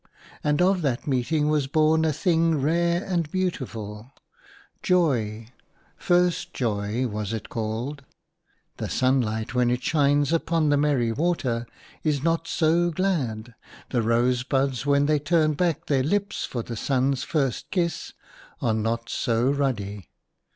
And of that meeting was born a thing rare and beautiful — Joy, First Joy was it called. The sunlight when it shines upon the merry water is not so glad ; the rosebuds, when they turn back their lips for the sun's first kiss, are not so ruddy.